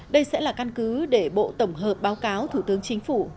đây sẽ là căn cứ để bộ tổng hợp báo cáo thủ tướng chính phủ